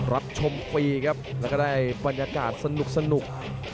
รับชมฟรีครับแล้วก็ได้บรรยากาศสนุก